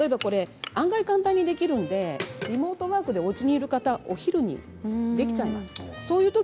案外、簡単にできるのでリモートワークでおうちにいる方はお昼にできてしまいます。